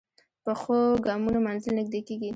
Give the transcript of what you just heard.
پخو ګامونو منزل نږدې کېږي